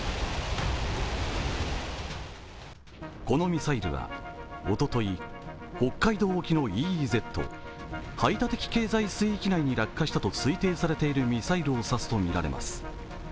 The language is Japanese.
このミサイルはおととい、北海道沖のＥＥＺ＝排他的経済水域内に落下したと推定されているミサイルを指すとみられます。